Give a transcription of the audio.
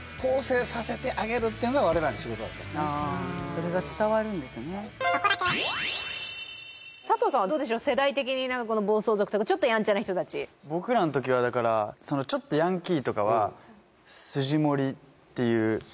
それが伝わるんですね佐藤さんはどうでしょう世代的にこの暴走族とかちょっとヤンチャな人達僕らの時はだからちょっとスジ盛り？